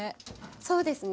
そうですね。